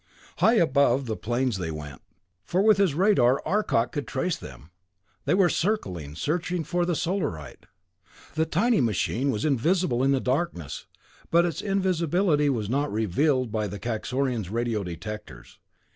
High above the planes they went, for with his radar Arcot could trace them. They were circling, searching for the Solarite. The tiny machine was invisible in the darkness, but its invisibility was not revealed by the Kaxorian's radio detectors.